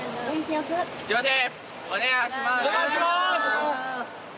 お願いします。